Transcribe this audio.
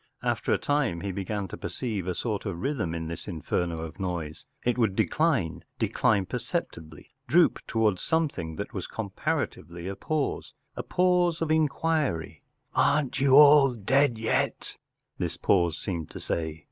After a time he began to perceive a sort of rhythm in this inferno of noise. It would decline decline percepti¬ bly, droop towards something that was com pa ra t i v e 1 y a pause—a pause of inquiry, “ Aren’t you all dead yet ? ” this pause seemed to say.